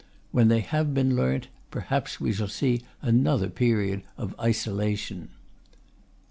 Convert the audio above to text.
When they have been learnt, perhaps we shall see another period of isolation.